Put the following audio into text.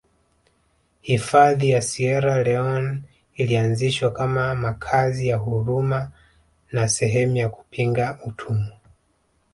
Hifadhi ya Sierra Leone ilianzishwa kama makazi ya huruma na sehemu ya kupinga utumwa